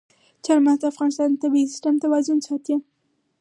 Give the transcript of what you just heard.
چار مغز د افغانستان د طبعي سیسټم توازن ساتي.